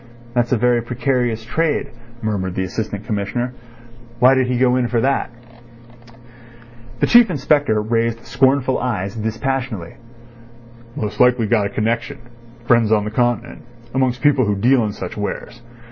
"That's a very precarious trade," murmured the Assistant Commissioner. "Why did he go in for that?" The Chief Inspector raised scornful eyebrows dispassionately. "Most likely got a connection—friends on the Continent—amongst people who deal in such wares.